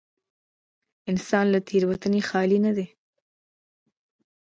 انسان له تېروتنې خالي نه دی.